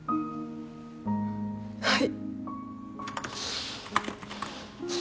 はい。